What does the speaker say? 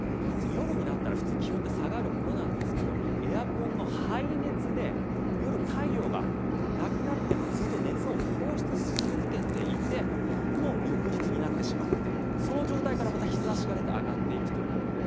夜になったら普通気温って下がるものなんですけどエアコンの排熱で夜、太陽がなくなってもずっと熱を放出し続けていてもう翌日になってしまってその状態から、また日差しが出て上がっていくということで。